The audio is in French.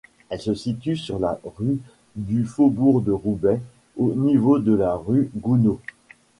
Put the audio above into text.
Elle se situe sur la rue du Faubourg-de-Roubaix, au niveau de la rue Gounod.